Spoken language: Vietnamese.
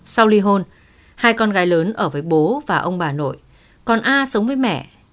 sau ly hôn hai con gái lớn ở với bố và ông bà nội còn a sống với mẹ